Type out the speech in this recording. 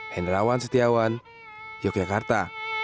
henrawan setiawan yogyakarta